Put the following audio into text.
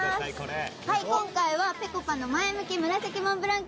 今回は、ぺこぱの前向き紫モンブラン